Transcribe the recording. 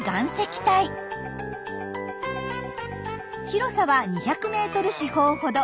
広さは２００ｍ四方ほど。